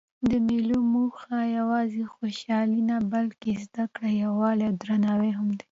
د مېلو موخه یوازي خوشحالي نه؛ بلکې زدکړه، یووالی او درناوی هم دئ.